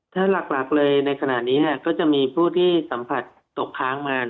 ถ้าหลักเลยในขณะนี้ก็จะมีผู้ที่สัมผัสตกค้างมา